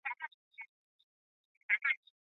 判断这封信是否重要